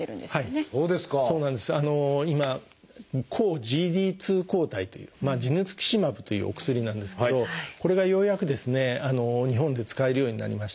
今「抗ＧＤ２抗体」という「ジヌツキシマブ」というお薬なんですけどこれがようやく日本で使えるようになりました。